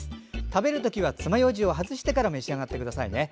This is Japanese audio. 食べる時はつまようじを外してから召し上がってくださいね。